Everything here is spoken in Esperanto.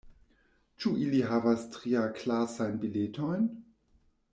Ĉu ili havas triaklasajn biletojn?